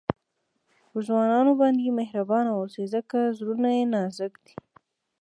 پر ځوانانو باندي مهربانه واوسئ؛ ځکه زړونه ئې نازک دي.